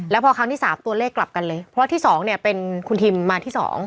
แล้วพอครั้งที่๓ตัวเลขกลับกันเลยเพราะที่๒เนี่ยเป็นคุณทิมมาที่๒